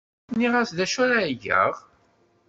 Nniɣ-as d acu ara yeg.